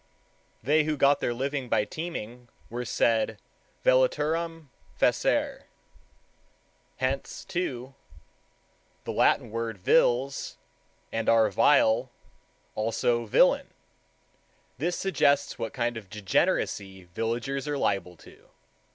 They who got their living by teaming were said vellaturam facere. Hence, too, the Latin word vilis and our vile; also villain. This suggests what kind of degeneracy villagers are liable to.